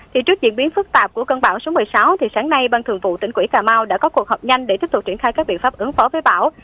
thì trước diễn biến phức tạp của cơn bão số một mươi sáu thì sáng nay ban thường vụ tỉnh quỹ cà mau đã có cuộc họp nhanh để tiếp tục triển khai các biện pháp ứng phó với bão